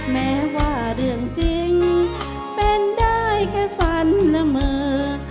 แม้ว่าเรื่องจริงเป็นได้แค่ฝันเสมอ